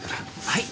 はい？